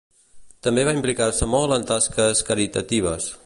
També va implicar-se molt en tasques caritatives.